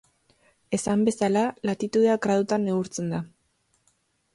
Esan bezala, latitudea gradutan neurtzen da.